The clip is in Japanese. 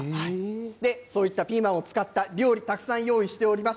そういったピーマンを使った料理たくさん用意しております。